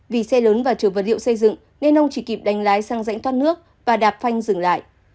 vì xe lớn và trở vật liệu xây dựng nên ông chỉ kịp đánh lái sang rãnh thoát nước và đạp phanh dừng lại